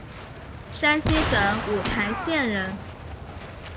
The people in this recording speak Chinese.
山西省五台县人。